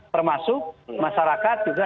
termasuk masyarakat juga